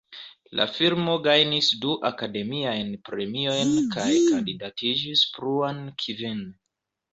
La filmo gajnis du Akademiajn Premiojn kaj kandidatiĝis pluan kvin.